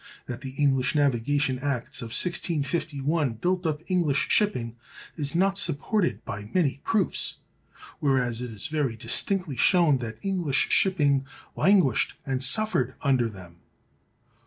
That the English navigation acts of 1651 built up English shipping is not supported by many proofs; whereas it is very distinctly shown that English shipping languished and suffered under them.